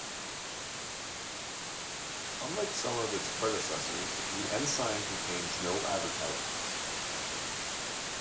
Unlike some of its predecessors, the "Ensign" contains no advertisements.